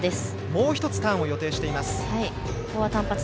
もう１つ、ターンを予定しています。